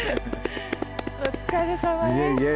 お疲れさまでした。